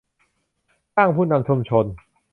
สร้างผู้นำชุมชน